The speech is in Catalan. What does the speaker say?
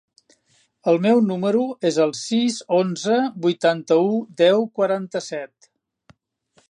El meu número es el sis, onze, vuitanta-u, deu, quaranta-set.